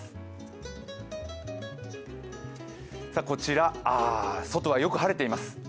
こちら、外はよく晴れています。